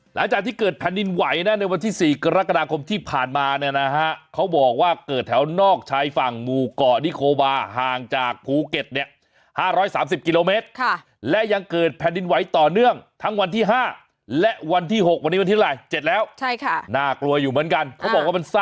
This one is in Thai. หลังจากที่เกิดแผ่นดินไหวนะในวันที่๔กรกฎาคมที่ผ่านมาเนี่ยนะฮะเขาบอกว่าเกิดแถวนอกชายฝั่งหมู่เกาะนิโควาห่างจากภูเก็ตเนี่ย๕๓๐กิโลเมตรและยังเกิดแผ่นดินไหวต่อเนื่องทั้งวันที่๕และวันที่๖วันนี้วันที่ไร๗แล้วใช่ค่ะน่ากลัวอยู่เหมือนกันเขาบอกว่ามัน